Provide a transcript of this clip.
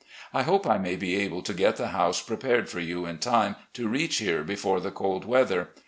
... I hope I may be able to get the house prepared for you in time to reach here before the cold weather.